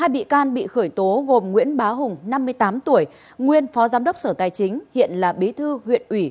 hai bị can bị khởi tố gồm nguyễn bá hùng năm mươi tám tuổi nguyên phó giám đốc sở tài chính hiện là bí thư huyện ủy